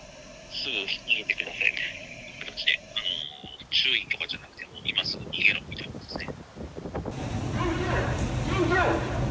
すぐ逃げてくださいという形で、注意とかじゃなくて、今すぐ逃げろみたいな感じですね。